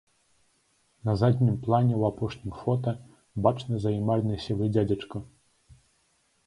На заднім плане ў апошнім фота бачны займальны сівы дзядзечка.